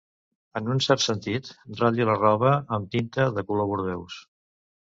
En un cert sentit, ratlli la roba amb tinta de color bordeus.